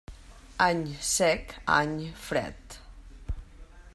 Any sec, any fred.